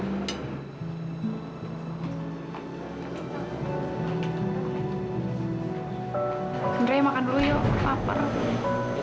kendra makan dulu yuk